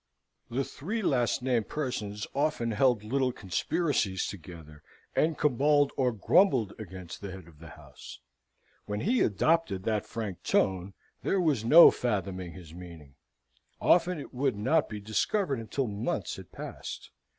The three last named persons often held little conspiracies together, and caballed or grumbled against the head of the house. When he adopted that frank tone, there was no fathoming his meaning: often it would not be discovered until months had passed.